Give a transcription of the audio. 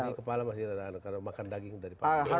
ini kepala masih ada karena makan daging